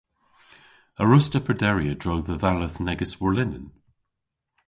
A wruss'ta prederi a-dro dhe dhalleth negys warlinen?